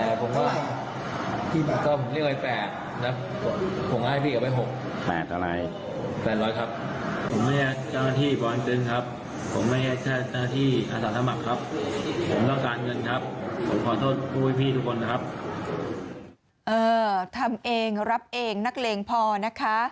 ทำเองรับเองนักเลงพอนะคะ